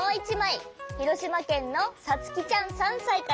ひろしまけんのさつきちゃん３さいから。